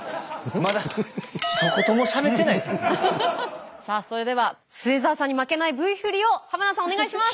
まださあそれでは末澤さんに負けないＶ振りを田さんお願いします。